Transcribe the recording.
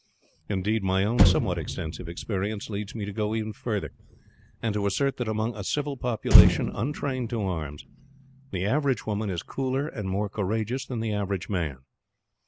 Indeed, my own somewhat extensive experience leads me to go even further, and to assert that among a civil population, untrained to arms, the average woman is cooler and more courageous than the average man.